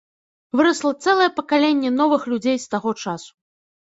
Вырасла цэлае пакаленне новых людзей з таго часу.